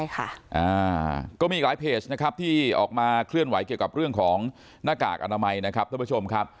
ใช่ค่ะก็มีอีกหลายเพจนะครับที่ออกมาเคลื่อนไหวเกี่ยวกับเรื่องของหน้ากากอนามัยนะครับท่านผู้ชมครับ